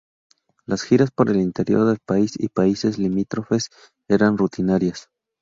Las giras por el interior del país y países limítrofes eran rutinarias.